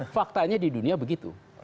faktanya di dunia begitu